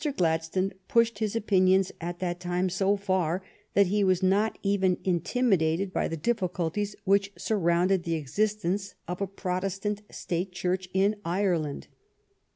Gladstone pushed his opinions at that time so far that he was not even intimidated by the difficulties which surrounded the existence of a Protestant State Church in Ireland.